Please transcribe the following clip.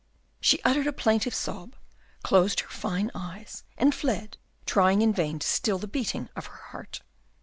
She uttered a plaintive sob, closed her fine eyes, and fled, trying in vain to still the beating of her heart.